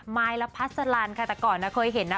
มายและพัสลันค่ะแต่ก่อนนะเคยเห็นนะ